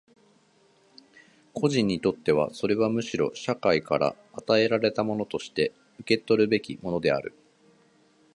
個人にとってはそれはむしろ社会から与えられたものとして受取らるべきものである。